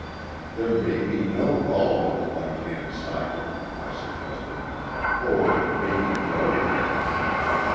"There may be no bulb in the left hand socket," I suggested. "Or it may be broken."